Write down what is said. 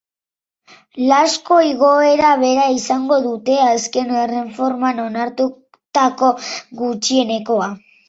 Iazko igoera bera izango dute, azken erreforman onartutako gutxienekoa.